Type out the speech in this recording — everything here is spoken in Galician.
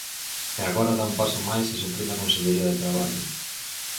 E agora dá un paso máis e suprime a Consellería de Traballo.